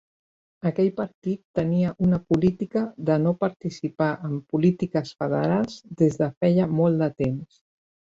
Aquell partit tenia una política de no participar en polítiques federals des de feia molt de temps.